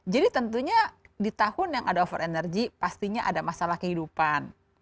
jadi tentunya di tahun yang ada over energy pastinya ada masalah kehidupan